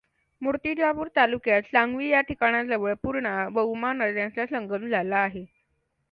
मूर्तिजापूर तालुक्यात सांगवी या ठिकाणाजवळ पूर्णा व उमा नद्यांचा संगम झाला आहे.